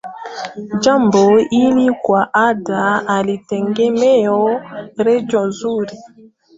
jambo hili kwa kawaida halitengemei redio nzuri